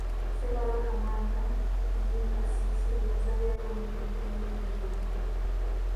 Ssekabaka Mwanga ku Kizinga Sisiri yazaalirayo Omumbejja Mary Luwedde.